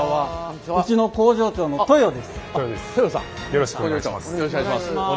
よろしくお願いします。